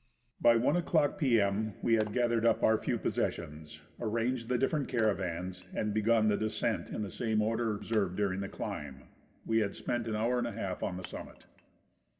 By I o'clock p.m. we had gathered up our few possessions, arranged the different caravans, and begun the descent in the same order observed during the climb. We had spent an hour and a half on the summit.